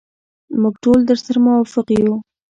موږ ټول درسره موافق یو.